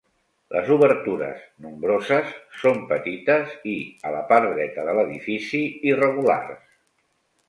Les obertures, nombroses, són petites i, a la part dreta de l'edifici, irregulars.